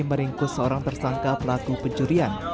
meringkus seorang tersangka pelaku pencurian